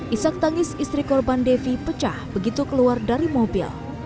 isak tangis istri korban devi pecah begitu keluar dari mobil